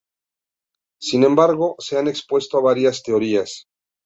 Sin embargo, se han expuesto varias teorías.